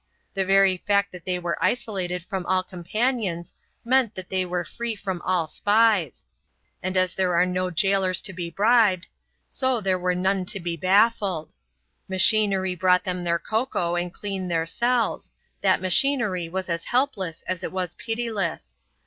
The very fact that they were isolated from all companions meant that they were free from all spies, and as there were no gaolers to be bribed, so there were none to be baffled. Machinery brought them their cocoa and cleaned their cells; that machinery was as helpless as it was pitiless.